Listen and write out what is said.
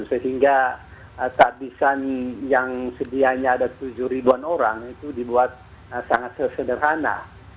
sehingga takbisan yang sedianya ada tujuh ribuan orang itu dibuat sangat sesederhana